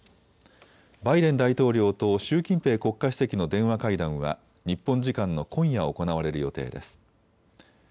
バイデン大統領と習近平国家主席の電話会談は日本時間の今夜行われる予定です。